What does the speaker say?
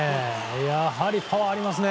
やはりパワーがありますね。